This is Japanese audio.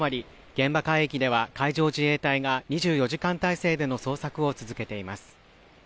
現場海域では海上自衛隊が２４時間態勢での捜索を続けています。